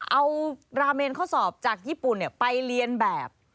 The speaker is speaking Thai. เอาราเมนข้อสอบจากญี่ปุ่นไปเรียนแบบ